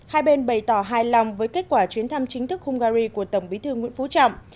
một mươi bảy hai bên bày tỏ hài lòng với kết quả chuyến thăm chính thức hungary của tổng bí thư nguyễn phú trọng